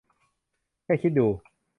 แค่คิดดู !